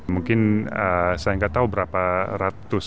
mungkin saya gak tau berapa ratus